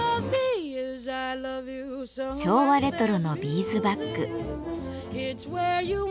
昭和レトロのビーズバッグ。